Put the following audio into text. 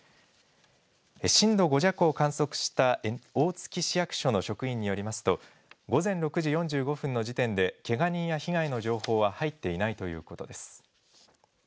震度５弱を観測した大月市役所の職員によりますと、午前６時４５分の時点で、けが人や被害の情報は入っていないということです。